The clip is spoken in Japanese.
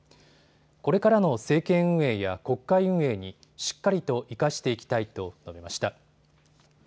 これからの政権運営や国会運営にしっかりと生かしていきたいと述べました。